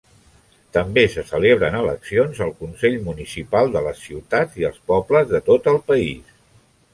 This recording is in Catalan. També se celebren eleccions al consell municipal de les ciutats i els pobles de tot el país.